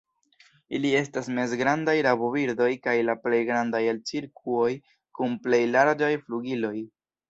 Ili estas mezgrandaj rabobirdoj kaj la plej grandaj el cirkuoj, kun plej larĝaj flugiloj.